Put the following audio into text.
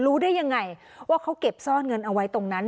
รู้ได้ยังไงว่าเขาเก็บซ่อนเงินเอาไว้ตรงนั้น